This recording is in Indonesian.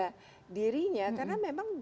menjaga dirinya karena memang